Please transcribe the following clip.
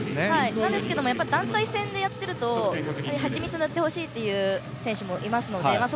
なんですけども団体戦でやっていると蜂蜜を塗ってほしいという選手もいるので。